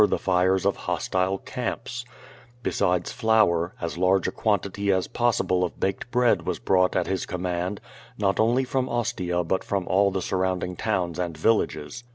he fires of hostile camps Besides flour, as large a quantity as possible of baked bread was brought at his command, not only from Ostia but from all the sur rounding towns and villages.